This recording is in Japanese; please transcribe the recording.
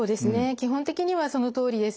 基本的にはそのとおりです。